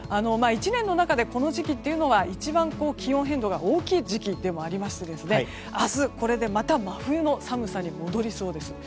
１年の中で、この時期というのは一番、気温変動が大きい時期でもありまして明日、これでまた真冬の寒さに戻りそうです。